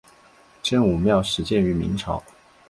真武庙始建于明朝。